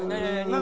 何？